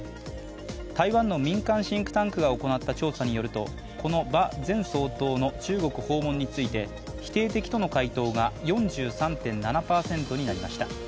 台湾の民間シンクタンクが行った調査によりますと、この馬前総統の中国訪問について否定的との回答が４３．７％になりました。